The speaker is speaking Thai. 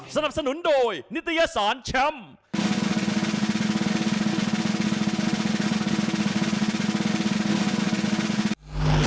สนับสนุนโดยนิตยสารแชมป์